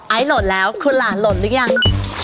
ไอล์โหลดแล้วคุณหลานโหลดหรือยัง